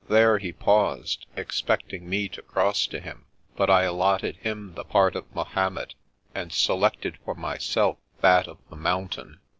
There he paused, expecting me to cross to him, but I allotted him the part of Mahomet and selected for mjrself that of the Mountain.